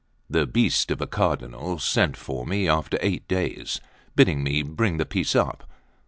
That beast of a Cardinal sent for me after eight days, bidding me bring the piece up.